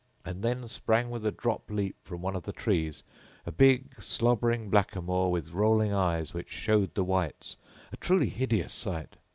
and then sprang with a drop leap from one of the trees a big slobbering blackamoor with rolling eyes which showed the whites, a truly hideous sight.